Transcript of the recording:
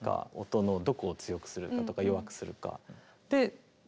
音のどこを強くするかとか弱くするか。